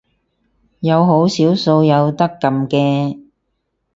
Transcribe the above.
有好少數有得撳嘅